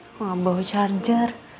aku gak bawa charger